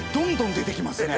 出てきます。